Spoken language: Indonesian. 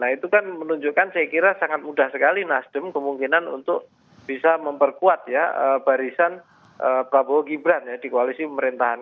nah itu kan menunjukkan saya kira sangat mudah sekali nasdem kemungkinan untuk bisa memperkuat ya barisan prabowo gibran ya di koalisi pemerintahan